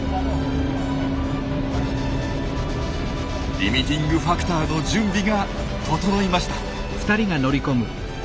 リミティングファクターの準備が整いました。